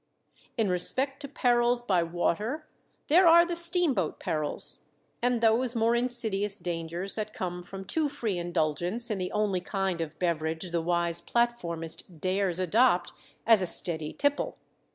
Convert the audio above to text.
In respect to perils by water there are the steamboat perils, and those more insidious dangers that come from too free indulgence in the only kind of beverage the wise platformist dares adopt as a steady tipple.